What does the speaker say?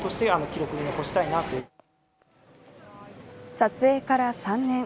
撮影から３年。